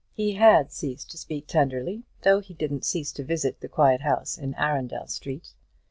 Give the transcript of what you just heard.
He had ceased to speak tenderly, though he didn't cease to visit the quiet house in Arundel Street.